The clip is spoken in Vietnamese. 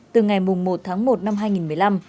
từ ngày một tháng một năm hai nghìn một mươi năm